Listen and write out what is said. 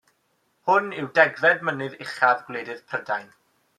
Hwn yw degfed mynydd uchaf gwledydd Prydain.